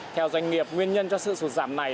theo doanh nghiệp nguyên nhân cho sự sụt giảm này